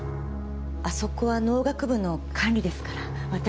あそこは農学部の管理ですから私たちは。